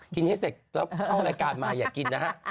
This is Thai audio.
ให้เสร็จแล้วเข้ารายการมาอย่ากินนะฮะ